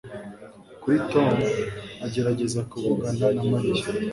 Kuki Tom agerageza kuvugana na Mariya